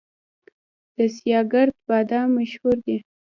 د سیاه ګرد بادام مشهور دي